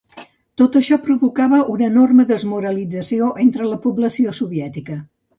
Tot això provocava una enorme desmoralització entre la població soviètica.